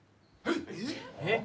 えっ！？